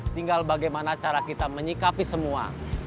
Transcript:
tinggal bagaimana cara kita menyikapi semua